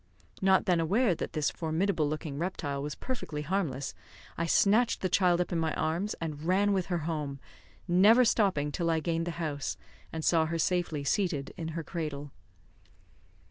Not then aware that this formidable looking reptile was perfectly harmless, I snatched the child up in my arms, and ran with her home; never stopping until I gained the house, and saw her safely seated in her cradle.